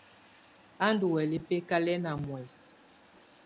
Á ndɔ́ huɛlɛ bǝkalɛna muɛsɛ.